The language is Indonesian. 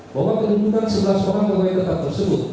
bahwa penyelidikan sebelas orang pegawai tetap tersebut